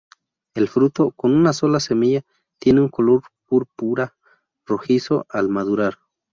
El fruto, con una sola semilla, tiene un color púrpura rojizo al madurar.